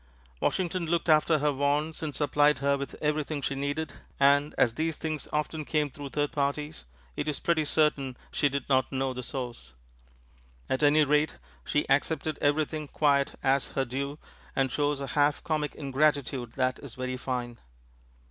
Washington looked after her wants and supplied her with everything she needed, and, as these things often came through third parties, it is pretty certain she did not know the source; at any rate she accepted everything quite as her due, and shows a half comic ingratitude that is very fine.